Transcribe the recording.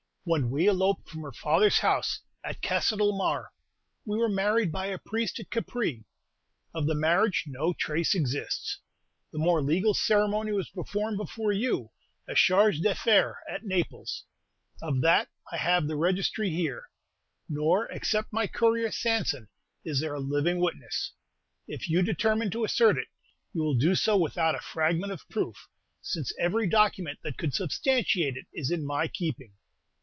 When we eloped from her father's house at Castellamare, we were married by a priest at Capri; of the marriage no trace exists. The more legal ceremony was performed before you, as Chargé d'Affaires at Naples, of that I have the registry here; nor, except my courier, Sanson, is there a living witness. If you determine to assert it, you will do so without a fragment of proof, since every document that could substantiate it is in my keeping.